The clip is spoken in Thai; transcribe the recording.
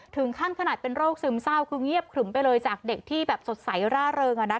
ถึงขั้นขนาดเป็นโรคซึมเศร้าคือเงียบขรึมไปเลยจากเด็กที่แบบสดใสร่าเริง